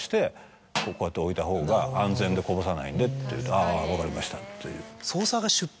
「あぁ分かりました」っていう。